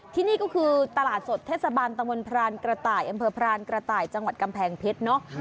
ที่นี่ก็คือตลาดสดเทศบาลตะมนต์พรานกระต่ายอำเภอพรานกระต่ายจังหวัดกำแพงเพชรเนาะ